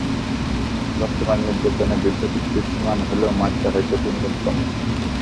বর্তমানে নির্যাতনের বিষয়টি দৃশ্যমান হলেও মাত্রা হয়তো দিন দিন কমে আসছে।